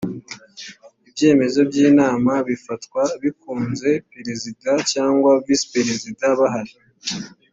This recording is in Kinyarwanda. ibyemezo by inama bifatwa bikunze perezida cyangwa visiperezida bahari